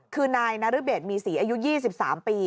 คือนายนรเบศมีศรีอายุ๒๓ปี